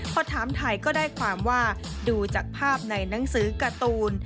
พอถามไทยก็ได้ความว่าดูจากภาพในหนังสือการ์ตูน